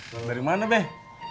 bagi mana beh